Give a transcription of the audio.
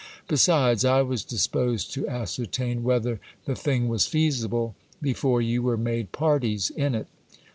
Besides, I was disposed to ascertain whether the thing was feasible, before you were made parties in it.